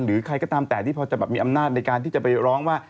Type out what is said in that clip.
ใครก็ตามแต่ที่พอจะมีอำนาจในการที่จะไปร้องว่า